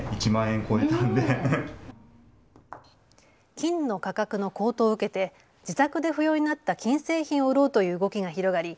金の価格の高騰を受けて自宅で不要になった金製品を売ろうという動きが広がり